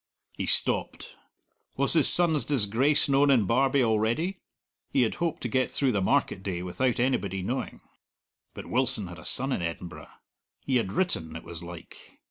He stopped. Was his son's disgrace known in Barbie already? He had hoped to get through the market day without anybody knowing. But Wilson had a son in Edinburgh; he had written, it was like.